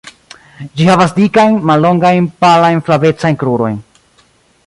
Ĝi havas dikajn, mallongajn, palajn, flavecajn krurojn.